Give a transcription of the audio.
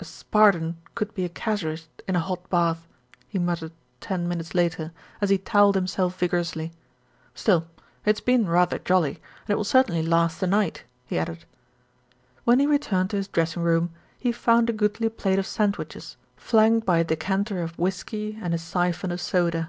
"A Spartan could be a casuist in a hot bath," he mut tered ten minutes later, as he towelled himself vigor ously. "Still, it's been rather jolly, and it will cer tainly last the night," he added. When he returned to his dressing room, he found a goodly plate of sandwiches, flanked by a decanter of whisky and a syphon of soda.